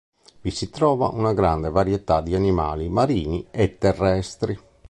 Vi si trova una grande varietà di animali marini e terrestri.